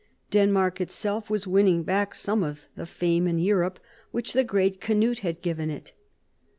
Denmark itself was winning back some of the fame in Europe which the great Cnut had given it.